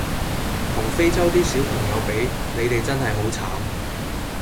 同非洲啲小朋友比你哋真係好慘